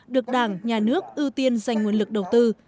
được đảng nhà nước ưu tiên dành nguồn lực đầu tư